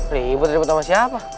ribut ribut sama siapa